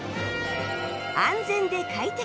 安全で快適